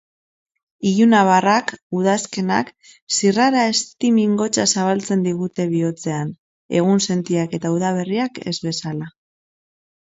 Ilunabarrak, udazkenak, zirrara ezti-mingotsa zabaltzen digute bihotzean, egunsentiak eta udaberriak ez bezala.